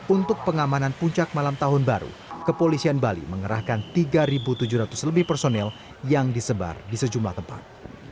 untuk pengamanan puncak malam tahun baru kepolisian bali mengerahkan tiga tujuh ratus lebih personel yang disebar di sejumlah tempat